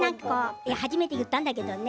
初めて言ったんだけどね